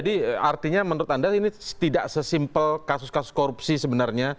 jadi artinya menurut anda ini tidak sesimpel kasus kasus korupsi sebenarnya